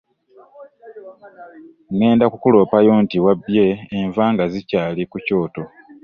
Ngenda kukuloopayo nti wabye enva nga zikyali ku Kyoto.